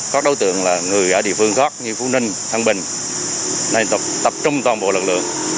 các đối tượng là người ở địa phương khác như phú ninh thăng bình nên tập trung toàn bộ lực lượng